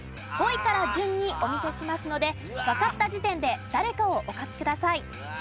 ５位から順にお見せしますのでわかった時点で誰かをお書きください。